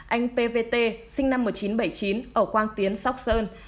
anh p v t sinh năm một nghìn chín trăm bảy mươi chín ở quang tiến sóc sơn